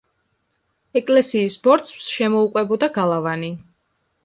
ეკლესიის ბორცვს შემოუყვებოდა გალავანი.